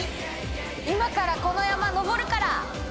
今からこの山上るから！